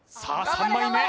３枚目